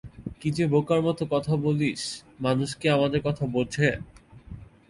কী যে বোকার মতো কথা বলিসা মানুষ কি আমাদের কথা বোঝে?